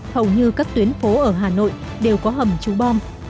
hầu như các tuyến phố ở hà nội đều có hầm trú bom